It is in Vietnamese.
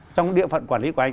trong địa phận quản lý của anh